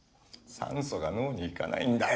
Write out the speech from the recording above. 酸素が脳に行かないんだよ！